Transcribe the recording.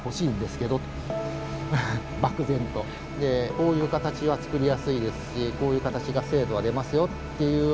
こういう形は作りやすいですしこういう形が精度は出ますよっていうようなことを。